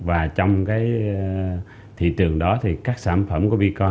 và trong cái thị trường đó thì các sản phẩm của vicom